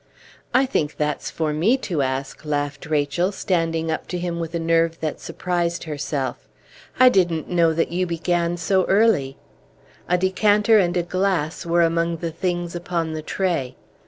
"I think that's for me to ask," laughed Rachel, standing up to him with a nerve that surprised herself. "I didn't know that you began so early!" A decanter and a glass were among the things upon the tray.